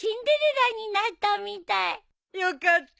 よかった